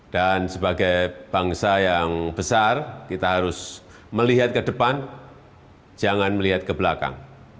dan sebagai bangsa yang besar kita harus melihat ke depan jangan melihat ke belakang